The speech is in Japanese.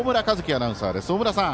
アナウンサーです。